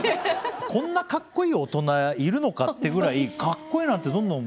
こんなかっこいい大人いるのかってぐらいかっこいいなってどんどん。